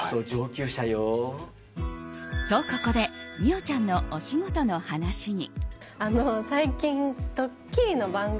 と、ここで美桜ちゃんのお仕事の話に。